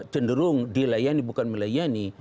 cenderung dilayani bukan melayani